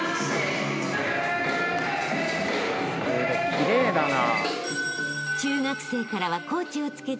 奇麗だな。